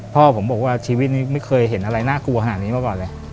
พ่อผมบอกว่าชีวิตนี้ไม่เคยเห็นอะไรน่ากลัวขนาดนี้มาก่อนเลย